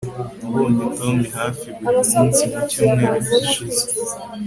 Nabonye Tom hafi buri munsi mucyumweru gishize